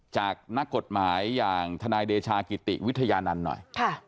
จากนักกฎหมายอย่างทนายเดชากิติวิทยานันต์หน่อย